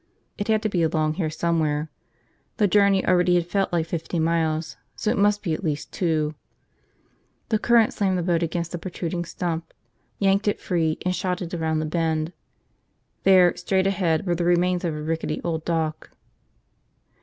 It had to be along here somewhere. The journey already had felt like fifty miles, so it must be at least two. The current slammed the boat against a protruding stump, yanked it free, and shot it around the bend. There, straight ahead, were the remains of a rickety old dock.